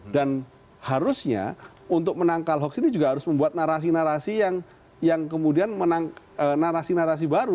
dan harusnya untuk menangkal hoaks ini juga harus membuat narasi narasi yang kemudian narasi narasi baru